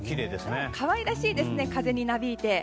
可愛らしいですね風になびいて。